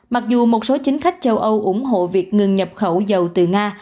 mặc dù một số chính khách châu âu ủng hộ việc ngừng nhập khẩu dầu từ nga